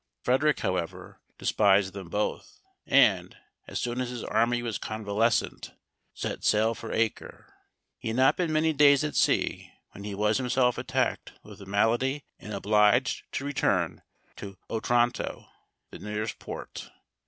Frederic, however, despised them both, and, as soon as his army was convalescent, set sail for Acre. He had not been many days at sea when he was himself attacked with the malady, and obliged to return to Otranto, the nearest port.